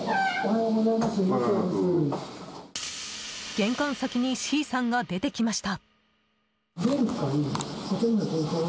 玄関先にＣさんが出てきました。